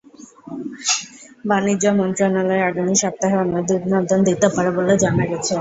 বাণিজ্য মন্ত্রণালয় আগামী সপ্তাহে অনুমোদন দিতে পারে বলে জানা গেছে।